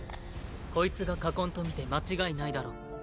こいつが禍根とみて間違いないだろう。